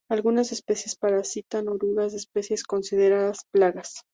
Algunas especies parasitan orugas de especies consideradas plagas.